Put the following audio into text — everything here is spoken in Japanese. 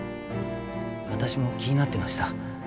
私も気になってました。